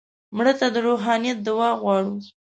مړه ته د روحانیت دعا غواړو